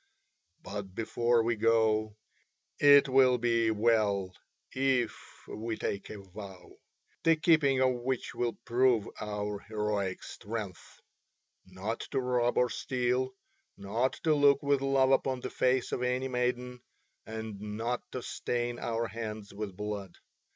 But before we go, it will be well if we take a vow the keeping of which will prove our heroic strength not to rob or steal, not to look with love upon the face of any maiden, and not to stain our hands with blood.